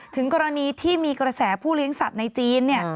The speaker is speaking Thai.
ถึงกรณีที่มีกระแสผู้เลี้ยงสัตว์ในจีน